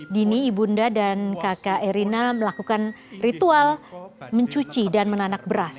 dini ibunda dan kakak erina melakukan ritual mencuci dan menanak beras